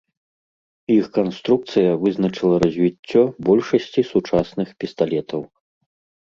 Іх канструкцыя вызначыла развіццё большасці сучасных пісталетаў.